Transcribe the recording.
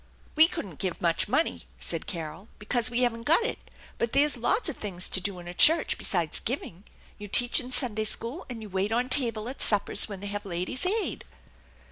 " We couldn't give much money/' said Carol, " because we haven't got it. But there's lots of things to do in a church besides giving. You teach in Sunday school, and you wait on table at suppers when they have Ladies' Aid."